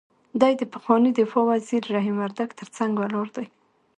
دی د پخواني دفاع وزیر رحیم وردګ تر څنګ ولاړ دی.